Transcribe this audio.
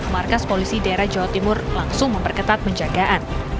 markas polisi daerah jawa timur langsung memperketat penjagaan